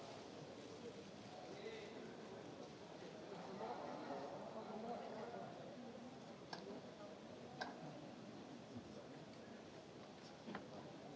a satu ratus sebelas ditanda tangan